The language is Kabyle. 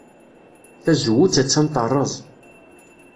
Tazewwut attan terreẓ.